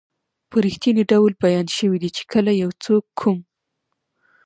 په رښتني ډول بیان شوي دي چې کله یو څوک کوم